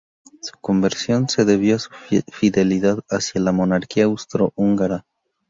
Su conversión se debió a su fidelidad hacia la monarquía austro-húngara.